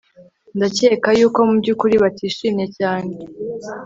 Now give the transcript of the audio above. Ndakeka yuko mubyukuri batishimye cyane